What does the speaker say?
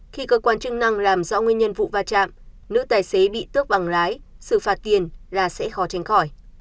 khi cơ quan chức năng làm rõ nguyên nhân vụ va chạm nữ tài xế bị tước bằng lái xử phạt tiền là sẽ khó tránh khỏi